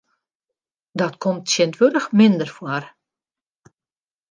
Dat komt tsjintwurdich minder foar.